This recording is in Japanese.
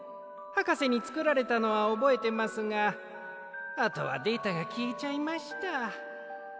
はかせにつくられたのはおぼえてますがあとはデータがきえちゃいました。